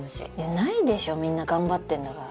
ないでしょみんな頑張ってんだから。